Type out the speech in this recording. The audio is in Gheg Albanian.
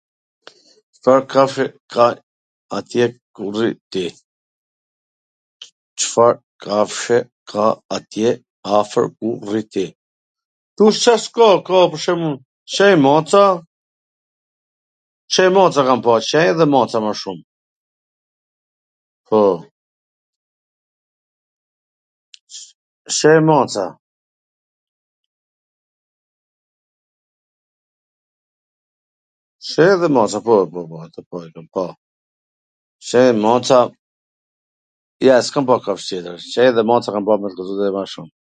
Cfar kafshe ka atje ku rri ti? Ktu Ca s ka, qej, maca, qej e maca kam pa ma shum, po, qej e maca, qe e maca, po po po, ato i kam par, qej, maca, jo, s kam pa kafsh tjetwr, qej dhe maca kam par me thwn tw drejtwn ma shum...